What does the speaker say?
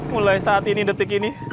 mulai saat ini detik ini